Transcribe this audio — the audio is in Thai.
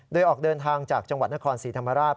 โดยออกเดินทางจากจังหวัดนครศรีธรรมราช